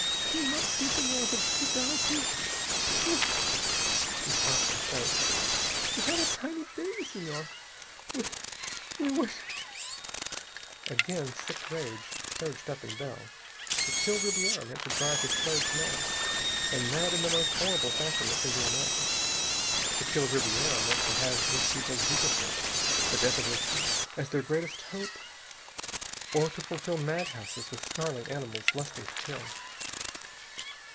"Do you not see, Senhor, that if he dies we we " She stopped and choked. "We have a tiny baby, Senhor. We we would...." Again sick rage surged up in Bell. To kill Ribiera meant to drive his slaves mad, and mad in the most horrible fashion that can be imagined. To kill Ribiera meant to have these people duplicate the death of Ortiz, as their greatest hope, or to fill madhouses with snarling animals lusting to kill....